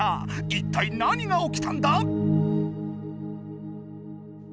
いったい何がおきたんだ